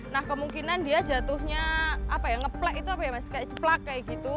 nah kemungkinan dia jatuhnya apa ya ngeplak itu apa ya mas kayak ceplak kayak gitu